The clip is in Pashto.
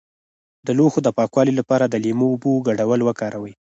د لوښو د پاکوالي لپاره د لیمو او اوبو ګډول وکاروئ